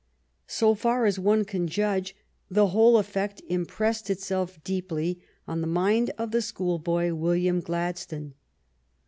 So far as one can judge, the whole effect impressed itself deeply on the mind of the schoolboy William Gladstone.